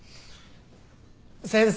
先生。